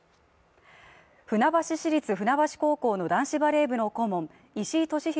船橋市立船橋高校の男子バレー部の顧問石井利広